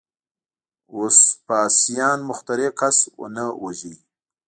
وسپاسیان مخترع کس ونه واژه.